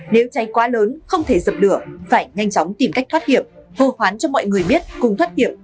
nếu cháy quá lớn không thể dập lửa phải nhanh chóng tìm cách thoát hiểm hô hoán cho mọi người biết cùng thoát hiểm